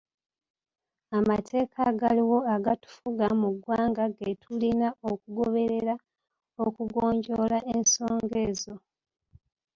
Amateeka agaliwo agatufuga mu ggwanga ge tulina okugoberera okugonjoola ensonga ezo.